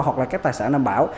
hoặc là các tài sản đảm bảo